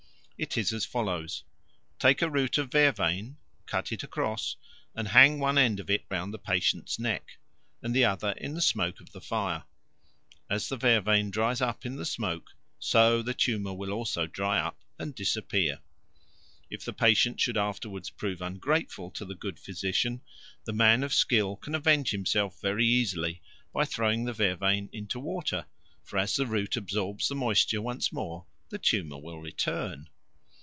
It is as follows. Take a root of vervain, cut it across, and hang one end of it round the patient's neck, and the other in the smoke of the fire. As the vervain dries up in the smoke, so the tumour will also dry up and disappear. If the patient should afterwards prove ungrateful to the good physician, the man of skill can avenge himself very easily by throwing the vervain into water; for as the root absorbs the moisture once more, the tumour will return.